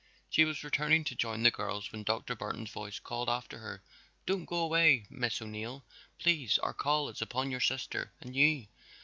She was returning to join the girls when Dr. Barton's voice called after her: "Don't go away, Miss O'Neill, please, our call is upon your sister and you.